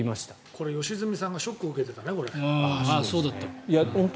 これ、良純さんがショック受けてたよね。